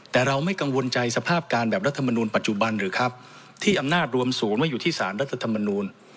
แต่เราไม่กังวลใจสภาพการแบบรัฐมนูลปัจจุบันหรือครับที่อำนาจรวมศูนย์ว่าอยู่ที่สารรัฐธรรมนูล